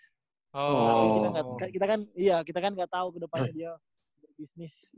tapi kita gak kita kan iya kita kan gak tau kedepannya dia berbisnis